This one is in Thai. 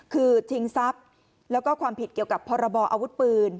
คือทิ้งทรัพย์กรรมผิดเกี่ยวกับพลบอาวุธปืน